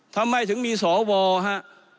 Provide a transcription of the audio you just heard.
ทำให้ถึงมีศวฮะ